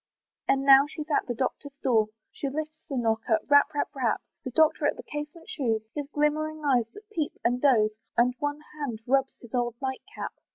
And now she's at the doctor's door, She lifts the knocker, rap, rap, rap, The doctor at the casement shews, His glimmering eyes that peep and doze; And one hand rubs his old night cap.